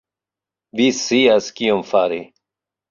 Vi scias kion fari!